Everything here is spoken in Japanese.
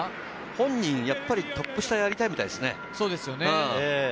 本人、やっぱりトップ下をやりたいみたいですね。